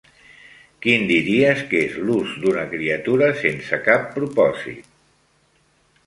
Quin diries que és l'ús d'una criatura sense cap propòsit?